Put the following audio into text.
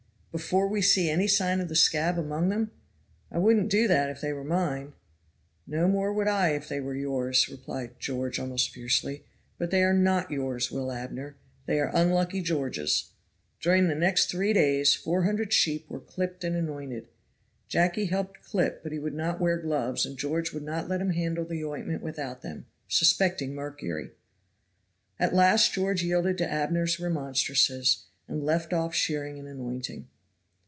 before we see any sign of the scab among them? I wouldn't do that if they were mine." "No more would I if they were yours," replied George almost fiercely. "But they are not yours, Will Abner. They are unlucky George's." During the next three days four hundred sheep were clipped and anointed. Jacky helped clip, but he would not wear gloves, and George would not let him handle the ointment without them, suspecting mercury. At last George yielded to Abner's remonstrances, and left off shearing and anointing.